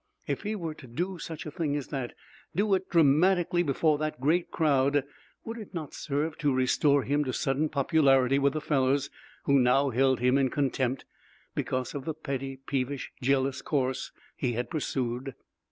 If he were to do such a thing as that do it dramatically before that great crowd would it not serve to restore him to sudden popularity with the fellows who now held him in contempt because of the petty, peevish, jealous course he had pursued?